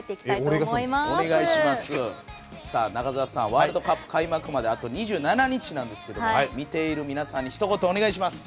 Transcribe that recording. ワールドカップ開幕まであと２７日なんですけども見ている皆さんにひと言お願いします！